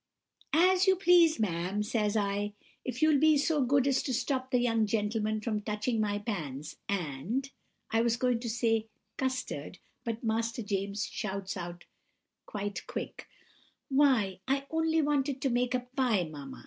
"'As you please, ma'am,' says I, 'if you'll be so good as to stop the young gentlemen from touching my pans, and—' I was going to say 'custard,' but Master James shouts out quite quick:— "'Why, I only wanted to make a pie, mamma.